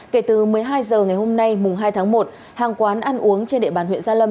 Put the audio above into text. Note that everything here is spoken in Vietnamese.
kể từ một mươi hai h ngày hôm nay mùng hai tháng một hàng quán ăn uống trên địa bàn huyện gia lâm